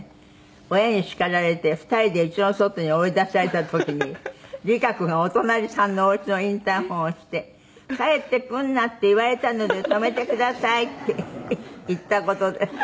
「親に叱られて２人で家の外に追い出された時に璃花子がお隣さんのお家のインターホンを押して“帰ってくるなって言われたので泊めてください”って言った事です」